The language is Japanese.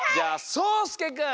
そうすけくん